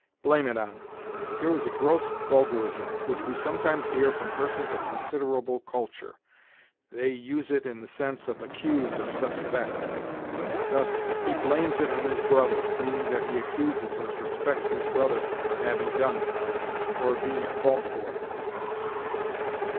BLAME IT ON. Here is a gross vulgarism which we sometimes hear from persons of considerable culture. They use it in the sense of accuse or suspect; thus, "He blames it on his brother," meaning that he accuses or suspects his brother of having done it, or of being at fault for it.